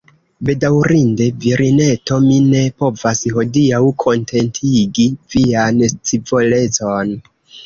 Bedaŭrinde, virineto, mi ne povas, hodiaŭ, kontentigi vian scivolecon.